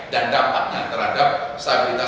dan dampaknya terhadap stabilitas